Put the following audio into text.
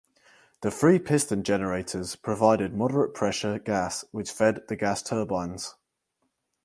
The free piston generators provided moderate pressure gas which fed the gas turbines.